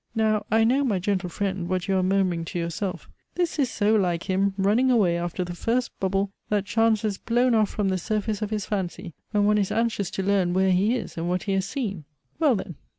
Now I know, my gentle friend, what you are murmuring to yourself "This is so like him! running away after the first bubble, that chance has blown off from the surface of his fancy; when one is anxious to learn where he is and what he has seen." Well then!